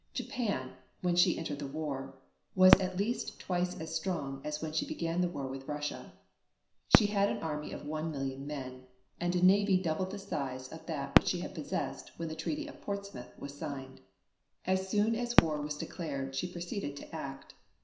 Japan, when she entered the war, was at least twice as strong as when she began the war with Russia. She had an army of one million men, and a navy double the size of that which she had possessed when the Treaty of Portsmouth was signed. As soon as war was declared she proceeded to act.